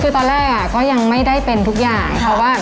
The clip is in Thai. คือตอนแรกก็ยังไม่ได้เป็นทุกอย่าง